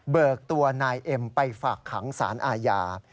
กตัวนายเอ็มไปฝากขังสารอาญา